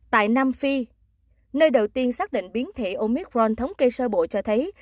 tại nam phi nơi đầu tiên xác định biến thể omicron thống kê sơ bộ cho thấy